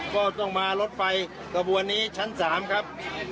ก็ต้องมารถไฟขบวนนี้ชั้น๓ครับ